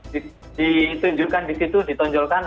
ditunjukkan di situ ditonjolkan